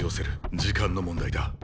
時間の問題だ。